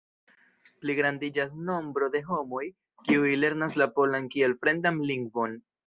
Pligrandiĝas nombro de homoj, kiuj lernas la polan kiel fremdan lingvon.